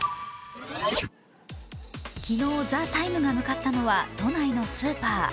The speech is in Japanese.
昨日「ＴＨＥＴＩＭＥ，」が向かったのは都内のスーパー。